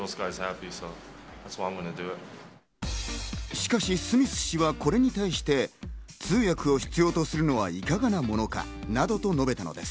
しかし、スミス氏はこれに対して、通訳を必要とするのはいかがなものかなどと述べたのです。